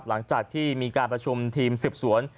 หลังจากที่มีการประชุมทีมสืบสวน